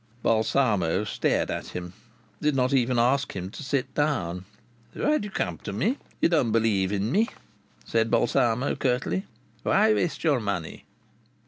Balsamo stared at him; did not even ask him to sit down. "Why do you come to me? You don't believe in me," said Balsamo, curtly. "Why waste your money?"